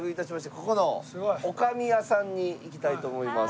ここのおかみ家さんに行きたいと思います。